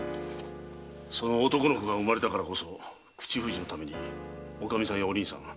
その男の子が産まれたからこそ口封じのためにおかみさんやお凛さん